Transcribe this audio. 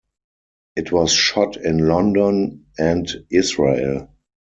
It was shot in London and Israel.